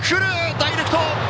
ダイレクト！